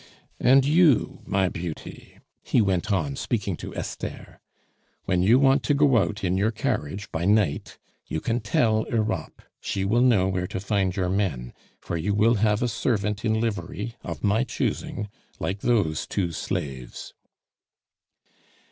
"And you, my beauty," he went on, speaking to Esther, "when you want to go out in your carriage by night, you can tell Europe; she will know where to find your men, for you will have a servant in livery, of my choosing, like those two slaves."